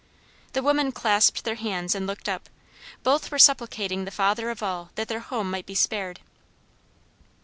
The women clasped their hands and looked up. Both were supplicating the Father of All that their home might be spared.